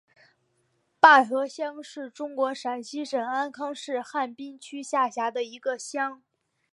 坝河乡是中国陕西省安康市汉滨区下辖的一个乡。